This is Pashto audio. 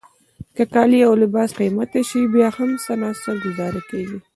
که کالي او لباس قیمته شي بیا هم څه ناڅه ګوزاره کیږي.